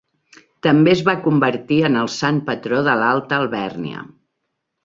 També es va convertir en el sant patró de l'Alta Alvèrnia.